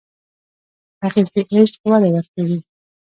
حقیقي عشق وده ورکوي.